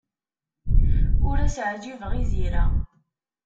Ur as-ɛjibeɣ i Zira.